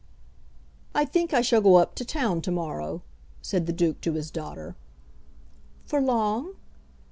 "I think I shall go up to town to morrow," said the Duke to his daughter. "For long?"